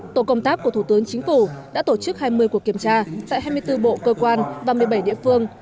tổ công tác của thủ tướng chính phủ đã tổ chức hai mươi cuộc kiểm tra tại hai mươi bốn bộ cơ quan và một mươi bảy địa phương